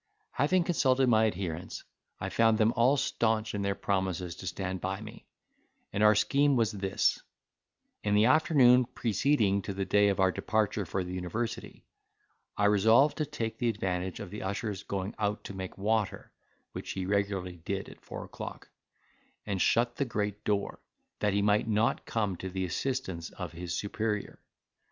Having consulted my adherents, I found them all staunch in their promises to stand by me; and our scheme was this:—In the afternoon preceding to the day of our departure for the University, I resolved to take the advantage of the usher's going out to make water (which he regularly did at four o'clock), and shut the great door, that he might not come to the assistance of his superior.